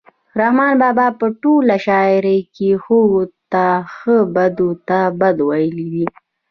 رحمان بابا په ټوله شاعرۍ کې ښو ته ښه بدو ته بد ویلي دي.